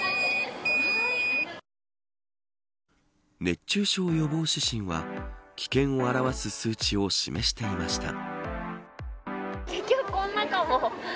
熱中症予防指針は危険を表す数値を示していました。